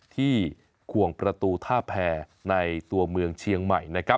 ที่ควงประตูท่าแผ่ในตัวเมืองเชียงใหม่